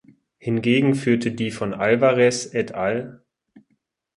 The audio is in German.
Hingegen führte die von Alvarez et al.